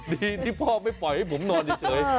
ดีที่พ่อไม่ปล่อยให้ผมนอนเฉย